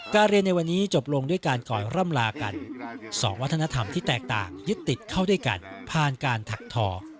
การเรียนในวันนี้จบลงด้วยการก่อยร่ำลากัน๒วัฒนธรรมที่แตกต่างยึดติดเข้าด้วยกันผ่านการถักทอ